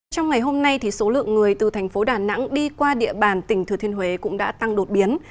trong ngày hôm nay số lượng người từ thành phố đà nẵng đi qua địa bàn tỉnh thừa thiên huế cũng đã tăng đột biến